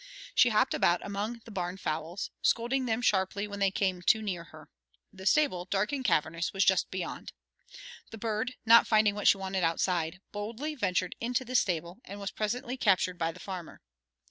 She hopped about among the barn fowls, scolding them sharply when they came too near her. The stable, dark and cavernous, was just beyond. The bird, not finding what she wanted outside, boldly ventured into the stable, and was presently captured by the farmer.